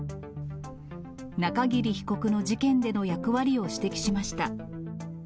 中桐被告の事件での役割を指摘しました。